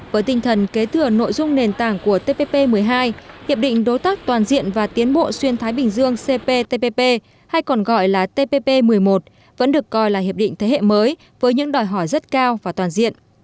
với tinh thần kế thừa nội dung nền tảng của tpp một mươi hai hiệp định đối tác toàn diện và tiến bộ xuyên thái bình dương cptpp hay còn gọi là tpp một mươi một vẫn được coi là hiệp định thế hệ mới với những đòi hỏi rất cao và toàn diện